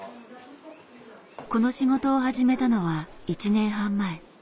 この仕事を始めたのは１年半前。